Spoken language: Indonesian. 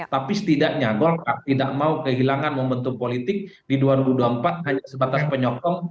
tapi setidaknya golkar tidak mau kehilangan momentum politik di dua ribu dua puluh empat hanya sebatas penyokong